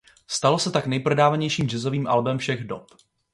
Stalo se tak nejprodávanějším jazzovým albem všech dob.